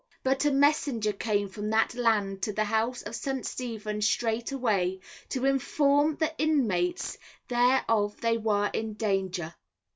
But a messenger came from that land to the house of St. Stephen's straightway, to inform the inmates thereof they were in danger.